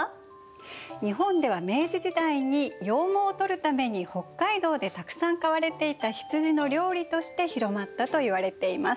日本では明治時代に羊毛を取るために北海道でたくさん飼われていた羊の料理として広まったといわれています。